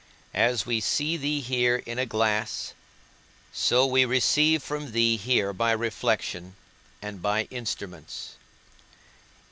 As we see thee here in a glass, so we receive from thee here by reflection and by instruments.